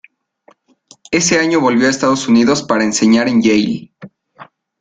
Ese año volvió a Estados Unidos para enseñar en Yale.